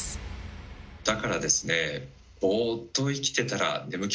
だからですね